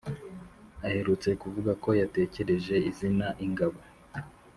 Aherutse kuvuga ko yatekereje izina Ingabo